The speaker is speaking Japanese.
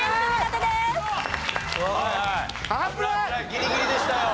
ギリギリでしたよ。